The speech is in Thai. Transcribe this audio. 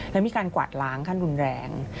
และมีการกวาดล้างขั้นรุนแรง